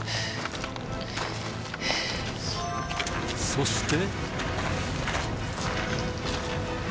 そして